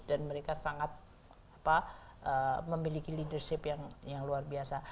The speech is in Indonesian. dan mereka sangat memiliki leadership yang luar biasa